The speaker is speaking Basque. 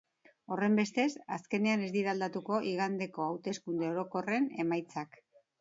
Horrenbestez, azkenean ez dira aldatuko igandeko hauteskunde orokorren emaitzak.